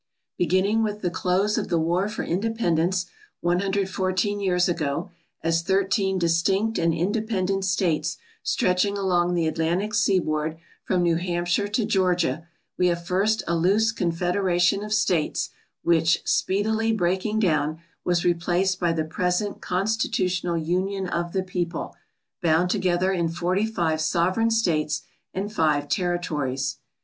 Beginning with the close of the war for independence, 114 years ago, as 13 distinct and independent states stretching along the Atlantic seaboard from New Hampshire to Georgia, we have first a loose confederation of states which, speedil}'' breaking down, was replaced by the present constitutional union of the people, bound together in 45 sovereign states and 5 territories.